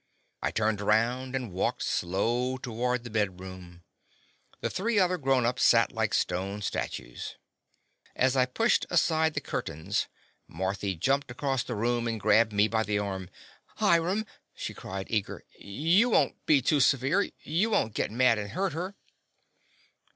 I turned around and walked slow toward the bedroom. The three other grown ups sat like stone statures. As I pushed aside the curtains, Marthy jumped across the room and grabbed me by the arm. "Hiram!" she cried eager, "You <r won't be too severe? You won't git mad and hurt her